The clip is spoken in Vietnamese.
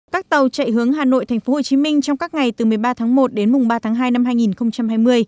các tàu chạy hướng hà nội tp hcm trong các ngày từ một mươi ba tháng một đến mùng ba tháng hai năm hai nghìn hai mươi